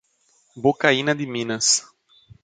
Bocaina de Minas